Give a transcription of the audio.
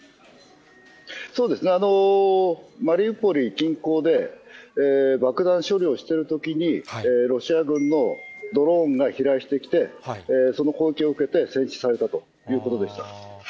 そうですね、マリウポリ近郊で、爆弾処理をしているときに、ロシア軍のドローンが飛来してきて、その攻撃を受けて戦死されたということでした。